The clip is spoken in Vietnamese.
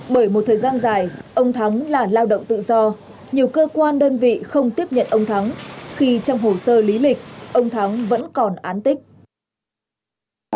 bởi một thời gian dài ông thắng là lao động tự do nhiều cơ quan đơn vị không tiếp nhận ông thắng khi trong hồ sơ lý lịch ông thắng vẫn còn án tích